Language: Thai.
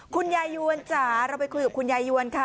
ยายยวนจ๋าเราไปคุยกับคุณยายวนค่ะ